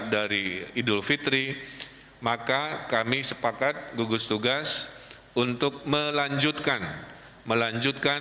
dari kabupaten dan kota